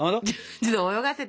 ちょっと泳がせてんの。